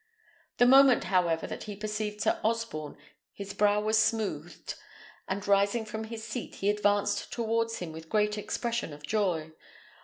The moment, however, that he perceived Sir Osborne, his brow was smoothed, and rising from his seat, he advanced towards him with great expression of joy.